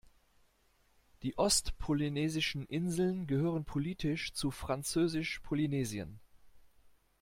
Die ostpolynesischen Inseln gehören politisch zu Französisch-Polynesien.